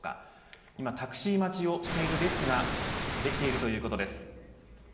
タクシー待ちをしている列ができているということです。